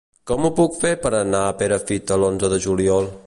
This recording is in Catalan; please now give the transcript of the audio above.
Com ho puc fer per anar a Perafita l'onze de juliol?